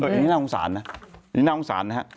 นี่น่าโง่งสารนะนี่น่าโง่งสารนะครับ